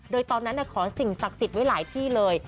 โดยตอนนั้นขอสิ่งศักดิ์สิทธิ์ไว้หลายที่เลย